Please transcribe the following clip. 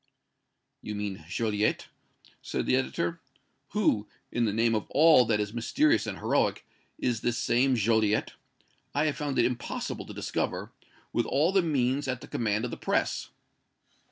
"You mean Joliette?" said the editor. "Who, in the name of all that is mysterious and heroic, is this same Joliette? I have found it impossible to discover, with all the means at the command of the press."